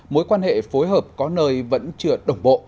mối quan hệ phối hợp có nơi vẫn chưa đồng bộ